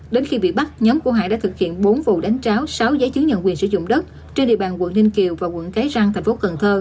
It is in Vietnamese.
đến khi bị bắt nhóm của hải đã thực hiện bốn vụ đánh tráo sáu giấy chứng nhận quyền sử dụng đất trên địa bàn quận ninh kiều và quận cái răng tp hcm